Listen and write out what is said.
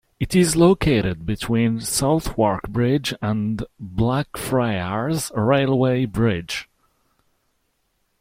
It is located between Southwark Bridge and Blackfriars Railway Bridge.